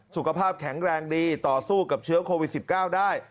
สุขภาพแข็งแรงดีต่อสู้กับเชื้อโควิด๑๙ได้